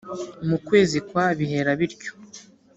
mu kwezi kwa bihera bityo!